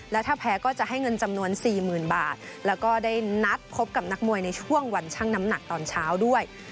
และถ้าแพ้ก็จะให้เงินจำนวน๔๐๐๐บาทแล้วก็ได้นัดพบกับนักมวยในช่วงวันชั่งน้ำหนักตอนเช้าด้วย